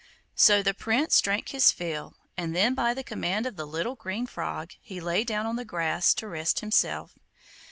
So the Prince drank his fill, and then, by the command of the Little Green Frog, he lay down on the grass to rest himself.